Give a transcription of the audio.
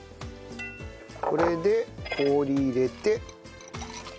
これで氷入れて。